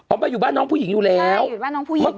เขามาอยู่บ้านน้องผู้หญิงอยู่แล้วใช่อยู่บ้านน้องผู้หญิงไหมเหรอ